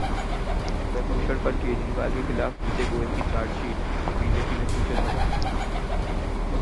प्रदूषण पर केजरीवाल के खिलाफ विजय गोयल की चार्जशीट, बीजेपी ने पूछे सवाल